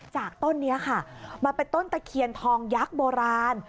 ต้นนี้ค่ะมันเป็นต้นตะเคียนทองยักษ์โบราณ